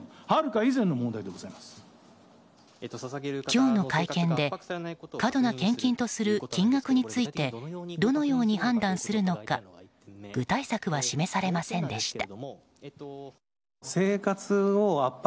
今日の会見で過度な献金とする金額についてどのように判断するのか具体策は示されませんでした。